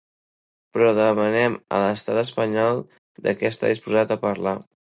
Però demanem a l’estat espanyol de què està disposat a parlar.